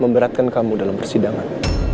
memberatkan kamu dalam persidangan